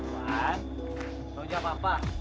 tanggung jawab apa